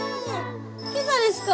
今朝ですか？